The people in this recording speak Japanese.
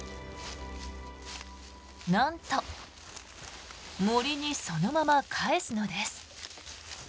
なんと杜にそのまま返すのです。